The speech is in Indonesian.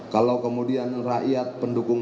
kalau kemudian rakyat pendukung